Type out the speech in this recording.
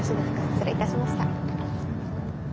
失礼いたしました。